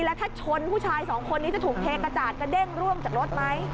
แล้วถ้าชนผู้ชายสองคนนี้จะถูกเทกระจาดกระเด้งร่วงจากรถไหม